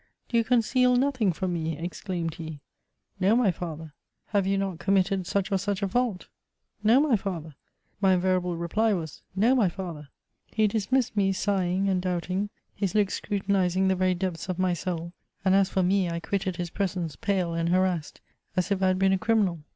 " Do you ccmceal nothing from me?" exclaimed he. '*No, my Father.*' Have you not committed such or such a fiiult ?"" No, my Father. My invariable reply was " No, my Father He dismissed me sighing and doubting, his look scrutinizing the very depths of my soul ; and, as for me, I quitted his presence, pale and harassed, as if I had been a criminal.